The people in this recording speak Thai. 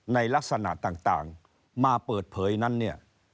ในลักษณะต่างมาเปิดเผยนั้นเนี่ย